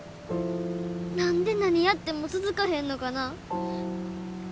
何で何やっても続かへんのかな。